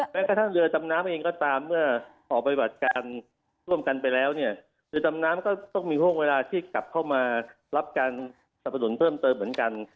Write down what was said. แม้กระทั่งเรือดำน้ำเองก็ตามเมื่อออกปฏิบัติการร่วมกันไปแล้วเนี่ยเรือดำน้ำก็ต้องมีห่วงเวลาที่กลับเข้ามารับการสนับสนุนเพิ่มเติมเหมือนกัน